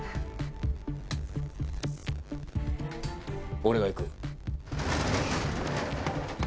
俺が行く。